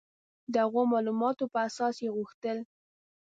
د هغو معلوماتو په اساس یې غوښتل.